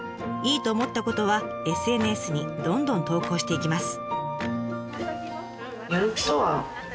いいと思ったことはＳＮＳにどんどん投稿していきます。